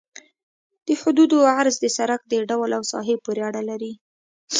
د حدودو عرض د سرک د ډول او ساحې پورې اړه لري